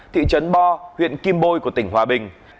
thị trấn bo huyện kim bôi của tỉnh hòa bình